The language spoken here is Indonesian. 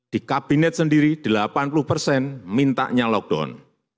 di kabinet sendiri delapan puluh persen mintanya lockdown